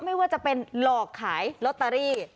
ไม่ว่าจะเป็นหลอกขายลอตเตอรี่